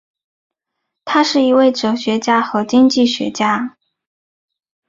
他是一位哲学家和经济学家。